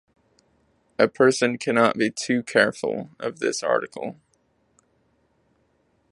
A person cannot be too careful of this article.